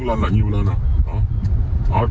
nó lên là nhiều lên đó